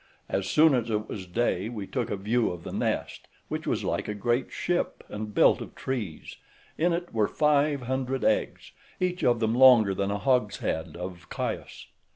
As soon as it was day we took a view of the nest, which was like a great ship, and built of trees; in it were five hundred eggs, each of them longer than a hogshead of Chios.